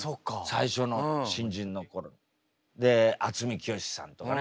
最初の新人の頃に。で渥美清さんとかね